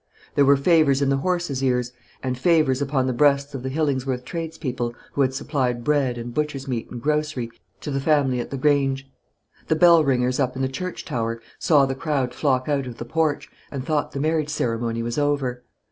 There were favours in the horses' ears, and favours upon the breasts of the Hillingsworth tradespeople who supplied bread and butcher's meat and grocery to the family at the Grange. The bell ringers up in the church tower saw the crowd flock out of the porch, and thought the marriage ceremony was over.